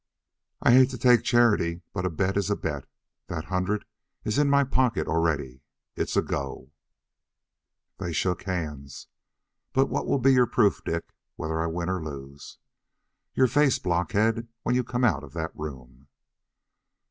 "I hate to take charity, but a bet is a bet. That hundred is in my pocket already. It's a go!" They shook hands. "But what will be your proof, Dick, whether I win or lose?" "Your face, blockhead, when you come out of the room."